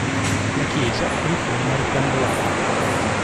La chiesa è di forma rettangolare.